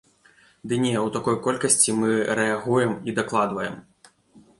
Ды не, у такой колькасці мы рэагуем і дакладваем.